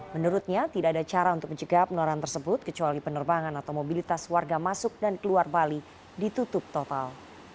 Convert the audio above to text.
menurutnya tidak ada cara untuk mencegah penularan tersebut kecuali penerbangan atau mobilitas warga masuk dan keluar bali ditutup total